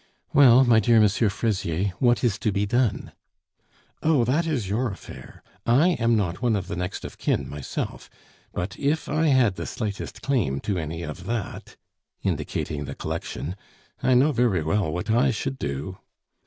"Well, my dear M. Fraisier, what is to be done?" "Oh! that is your affair! I am not one of the next of kin, myself; but if I had the slightest claim to any of that" (indicating the collection), "I know very well what I should do."